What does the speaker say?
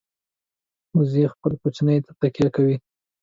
وزې خپل کوچني ته تکیه کوي